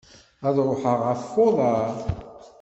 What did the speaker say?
Ad ruḥeɣ ɣef uḍar.